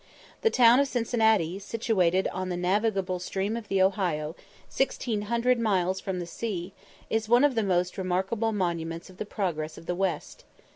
The town of Cincinnati, situated on the navigable stream of the Ohio, 1600 miles from the sea, is one of the most remarkable monuments of the progress of the West.